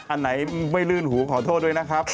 อันไหนไม่ลื่นหูขอโทษด้วยนะครับ